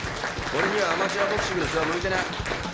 俺にはアマチュアボクシングの指導は向いてない。